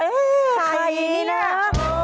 เอ๊ใครนี่นะเออเฮ่เฮ่เฮ่เฮ่